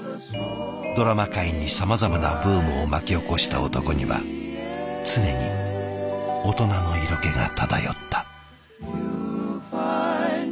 ドラマ界にさまざまなブームを巻き起こした男には常に大人の色気が漂った。